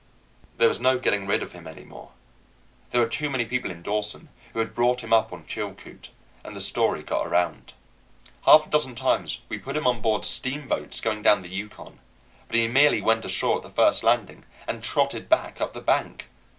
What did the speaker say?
There was no getting rid of him any more. There were too many people in Dawson who had bought him up on Chilcoot, and the story got around. Half a dozen times we put him on board steamboats going down the Yukon; but he merely went ashore at the first landing and trotted back up the bank.